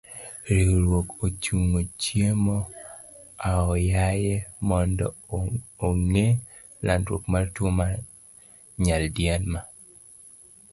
Riwruok ochungo chiemo aoyaye mondo ogeng' landruok mar tuo mar nyal diema.